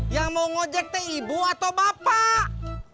yang mau ngejek ke ibu atau bapak